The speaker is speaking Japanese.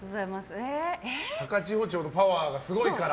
高千穂町のパワーがすごいから。